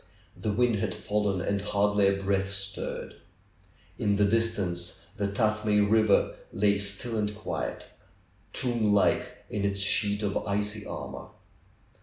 The wind had fallen and hardly a breath stirred. In the distance the Tuthmay River lay still and quiet ; tomb like in its sheet of icy armor.